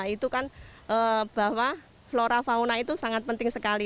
itu kan bahwa flora fauna itu sangat penting sekali